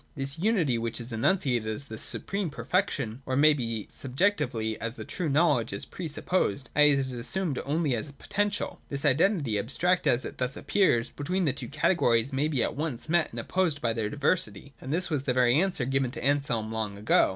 This unity which is enunciated as the supreme perfec tion or, it may be, subjectively, as the true knowledge, is pre supposed, i.e. it is assumed only as potential. This identity, abstract as it thus appears, between the two categories maybe at once met and opposed by their diversity; and this was the very answer given to Anselm long ago.